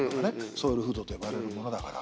ソウルフードと呼ばれるものだから。